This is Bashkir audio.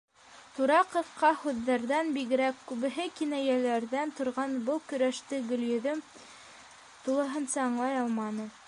Тура ҡырҡа һүҙҙәрҙән бигерәк, күбеһе кинәйәләрҙән торған был көрәште Гөлйөҙөм тулыһынса аңлай алманы.